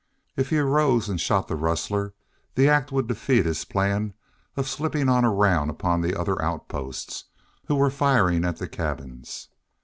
If he arose and shot the rustler, that act would defeat his plan of slipping on around upon the other outposts who were firing at the cabins.